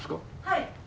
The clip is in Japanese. はい。